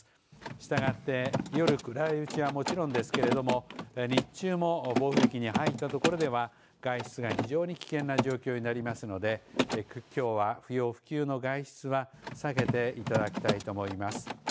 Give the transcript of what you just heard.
したがって、夜暗いうちはもちろんですけれども日中も暴風域に入ったところでは外出が非常に危険な状況になりますのできょうは不要不急の外出は避けていただきたいと思います。